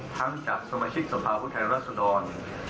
ทั้งจากสมาชิกสภาพุทธไทยรัฐสดร